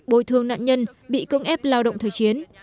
bồi thương nạn nhân bị cưỡng ép lao động thời chiến